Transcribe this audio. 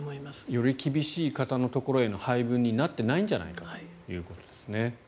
より厳しい方のところへの配分になっていないんじゃないかということですね。